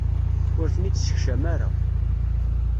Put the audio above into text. Ur ten-id-ssekcam ara.